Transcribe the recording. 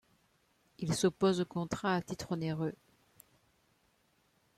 Il s'oppose au contrat à titre onéreux.